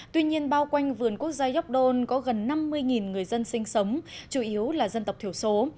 tuy nhiên bao quanh vườn quốc gia york don có gần năm mươi người dân sinh sống chủ yếu là dân tộc thiểu số